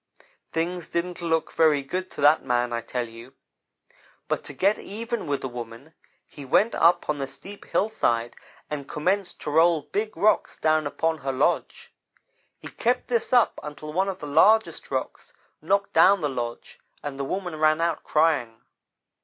"Things didn't look very good to that man, I tell you, but to get even with the woman, he went up on the steep hillside and commenced to roll big rocks down upon her lodge. He kept this up until one of the largest rocks knocked down the lodge, and the woman ran out, crying.